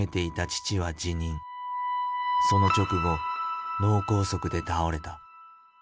その直後脳梗塞で倒れた。